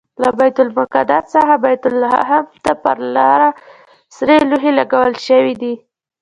له بیت المقدس څخه بیت لحم ته پر لاره سرې لوحې لګول شوي دي.